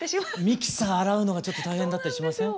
ミキサー洗うのがちょっと大変だったりしません？